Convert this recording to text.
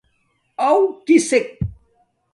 آو؟ کِسݵک؟